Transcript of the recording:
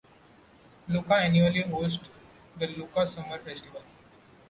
Lucca annually hosts the Lucca Summer Festival.